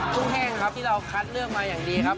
กุ้งแห้งครับที่เราคัดเลือกมาอย่างดีครับ